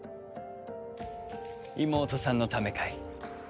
妹さんのためかい？